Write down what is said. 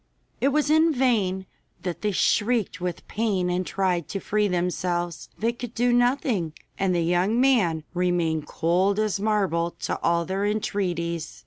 It was in vain that they shrieked with pain and tried to free themselves. They could do nothing, and the young man remained cold as marble to all their entreaties.